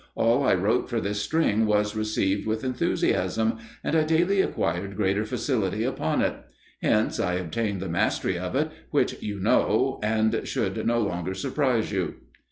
All I wrote for this string was received with enthusiasm, and I daily acquired greater facility upon it: hence I obtained the mastery of it, which you know, and should no longer surprise you."